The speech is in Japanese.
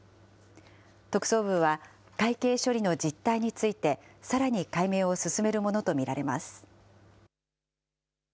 特捜部は、会計処理の実態について、さらに解明を進めるものと見られます。